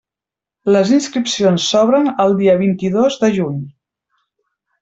Les inscripcions s'obren el dia vint-i-dos de juny.